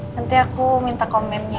nanti aku minta komennya